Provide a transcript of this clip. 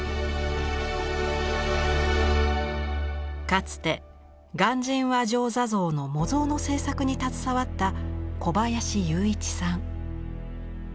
かつて鑑真和上坐像の模像の制作に携わった小林雄一さん。